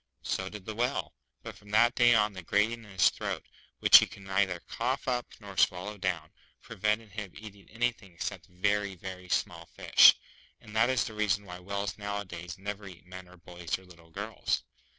So did the Whale. But from that day on, the grating in his throat, which he could neither cough up nor swallow down, prevented him eating anything except very, very small fish; and that is the reason why whales nowadays never eat men or boys or little girls.